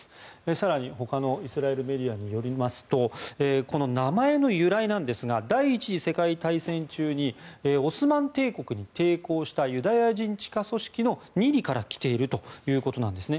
更に、他のイスラエルメディアによりますとこの名前の由来ですが第１次世界大戦中にオスマン帝国に抵抗したユダヤ人地下組織のニリからきているということです。